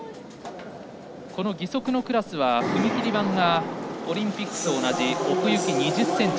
義足のクラスは踏み切り板がオリンピックと同じ奥行き２０ｃｍ。